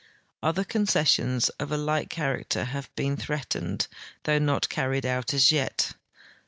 Other concessions of a like character have been threatened, though not carried out as yet.